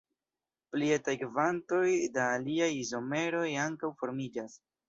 Pli etaj kvantoj da aliaj izomeroj ankaŭ formiĝas.